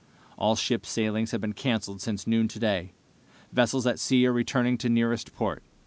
"All ship sailings have been canceled since noon today. Vessels at sea are returning to nearest port.